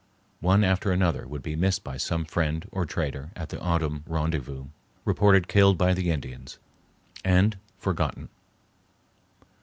One after another would be missed by some friend or trader at the autumn rendezvous, reported killed by the Indians, and—forgotten.